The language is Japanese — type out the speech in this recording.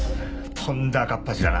とんだ赤っ恥だな。